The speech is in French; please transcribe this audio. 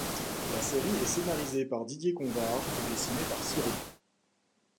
La série est scénarisée par Didier Convard et dessinée par Siro.